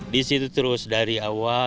di situ terus dari awal